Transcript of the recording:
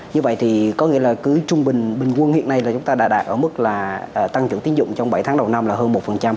như vậy thì có nghĩa là cứ trung bình bình quân hiện nay là chúng ta đã đạt ở mức là tăng trưởng tiến dụng trong bảy tháng đầu năm là hơn một